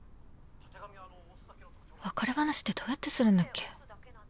別れ話ってどうやってするんだっけ？